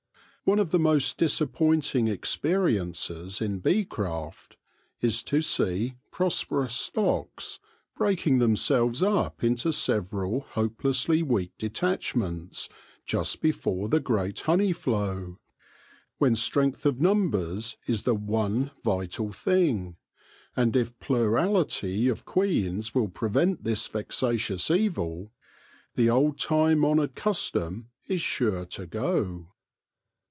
One of the most disappointing experiences in bee craft is to see prosperous stocks breaking themselves up into several hopelessly weak detachments just be fore the great honey flow, when strength of numbers is the one vital thing ; and if plurality of queens will prevent this vexatious evil, the old time honoured custom is sure to go.